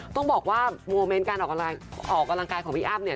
ต้องบอกว่าโมเมนต์การออกกำลังกายของพี่อ้ำเนี่ย